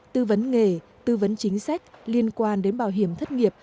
tư vấn nghề tư vấn chính sách liên quan đến bảo hiểm thất nghiệp